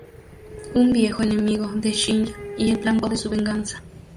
Un viejo enemigo de Shinya y el blanco de su venganza.